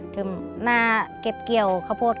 คือหน้าเก็บเกี่ยวขโพธิ